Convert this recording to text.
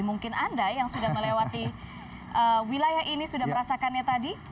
mungkin anda yang sudah melewati wilayah ini sudah merasakannya tadi